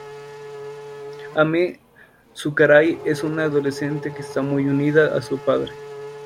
Ame Sakurai es una adolescente que está muy unida a su padre.